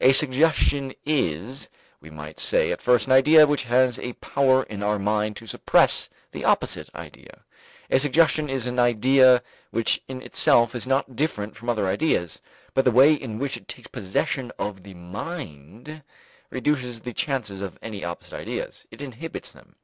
A suggestion is, we might say at first, an idea which has a power in our mind to suppress the opposite idea. A suggestion is an idea which in itself is not different from other ideas, but the way in which it takes possession of the mind reduces the chances of any opposite ideas; it inhibits them.